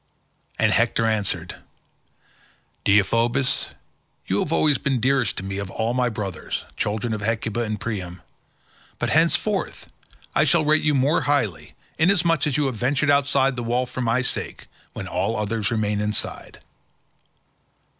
And Hector answered, "Deiphobus, you have always been dearest to me of all my brothers, children of Hecuba and Priam, but henceforth I shall rate you yet more highly, inasmuch as you have ventured outside the wall for my sake when all the others remain inside."